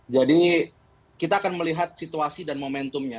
jadi kita akan melihat situasi dan momentumnya